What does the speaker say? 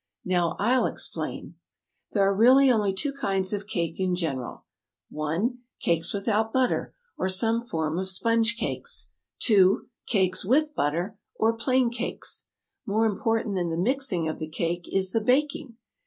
Now I'll explain: "There are really only two kinds of cake in general: "1. Cakes without butter, or some form of sponge cakes. "2. Cakes with butter, or plain cakes. "More important than the mixing of the cake is the baking.